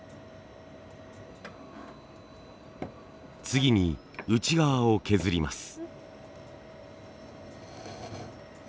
次に内側を削ります。